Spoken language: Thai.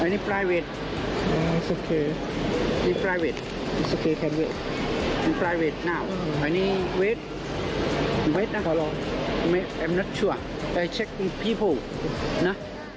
นะ